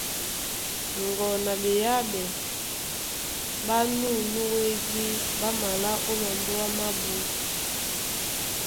Ŋgo na ɓeyáɓɛ ɓá nû nú wédí ɓá malá ó mambóa mábū.